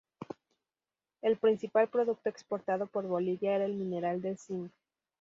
El principal producto exportado por Bolivia era el mineral del Zinc.